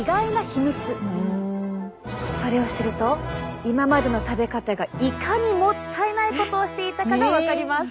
それを知ると今までの食べ方がいかにもったいないことをしていたかが分かります。